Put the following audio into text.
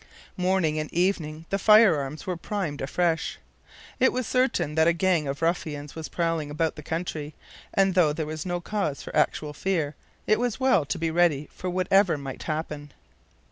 Morning and evening the firearms were primed afresh. It was certain that a gang of ruffians was prowling about the country, and though there was no cause for actual fear, it was well to be ready for whatever might happen.